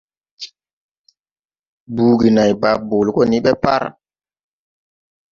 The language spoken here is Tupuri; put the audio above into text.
Buugi nãy baa boole go ni ɓe par.